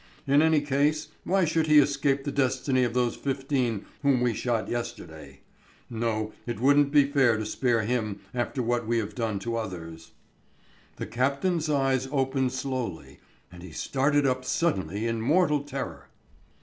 In any case, why should he escape the destiny of those fifteen whom we shot yesterday? No, it wouldn't be fair to spare him after what we have done to others." The captain's eyes opened slowly, and he started up suddenly in mortal terror.